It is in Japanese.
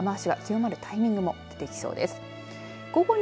雨足が強まるタイミングも出てきそうです。